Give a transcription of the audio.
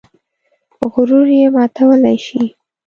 غرور یې ماتولی شي.